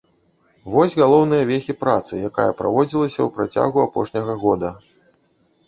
Вось галоўныя вехі працы, якая праводзілася ў працягу апошняга года.